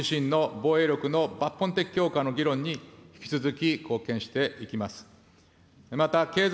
日本自身の防衛力の抜本的強化の議論に、引き続き貢献していきます。